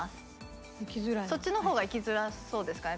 そっちの方が行きづらそうですかね